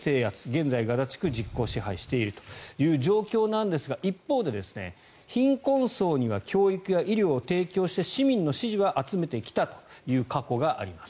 現在、ガザ地区を実効支配しているという状況なんですが一方で、貧困層には教育や医療を提供して市民の支持は集めてきたという過去があります。